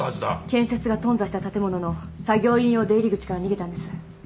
建設が頓挫した建物の作業員用出入り口から逃げたんです。